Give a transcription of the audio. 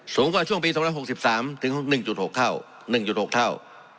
สูงกว่าช่วงปี๒๐๖๓ถึง๑๖เท่า